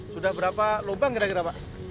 sudah berapa lubang kira kira pak